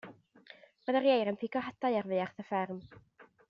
Roedd yr ieir yn pigo hadau ar fuarth y fferm.